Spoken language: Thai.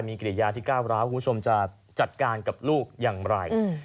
มีกิริยาที่ก้าวร้าวคุณผู้ชมจะจัดการกับลูกอย่างไร